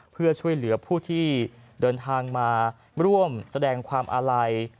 เพื่อช่วยเหลือผู้ที่เดินทางมาร่วมแสดงความอาลัย